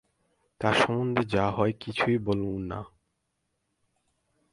তাঁর সম্বন্ধে যা-হয়-কিছু বলুন-না।